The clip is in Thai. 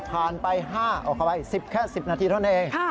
ผ่านไป๕ออกเข้าไป๑๐แค่๑๐นาทีเท่านั้นเอง